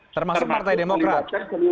termasuk partai demokrat